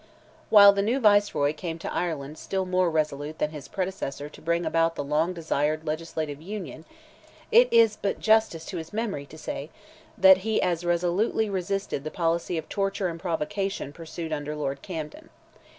While the new Viceroy came to Ireland still more resolute than his predecessor to bring about the long desired legislative union, it is but justice to his memory to say, that he as resolutely resisted the policy of torture and provocation pursued under Lord Camden.